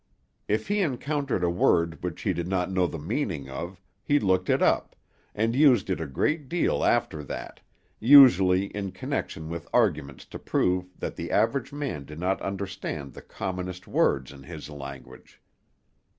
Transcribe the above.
If he encountered a word which he did not know the meaning of, he looked it up, and used it a great deal after that, usually in connection with arguments to prove that the average man did not understand the commonest words in his language.